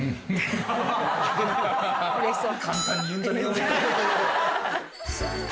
うれしそう。